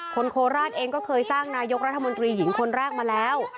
โคราชเองก็เคยสร้างนายกรัฐมนตรีหญิงคนแรกมาแล้ว